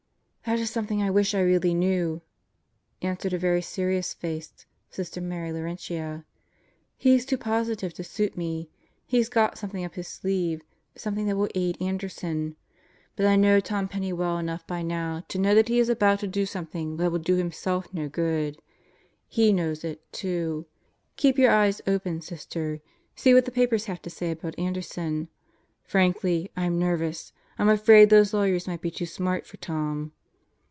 "That is something I wish I really knew," answered a very serious faced Sister Mary Laurentia. "He's too positive to suit me. He's got something up his sleeve; something that will aid Anderson. But I know Tom Penney well enough by now to know that he is about to do something that will do himself no good. He knows it, too. Keep your eyes open, Sister. See what the papers have to say about Anderson. Frankly, I'm nervous. I'm afraid those lawyers might be too smart for Tom."